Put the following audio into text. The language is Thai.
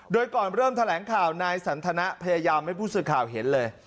โดยก่อนเริ่มแถลงข่าวนายสันธนประยาบไม่พูดสุดข่าวเห็นเลย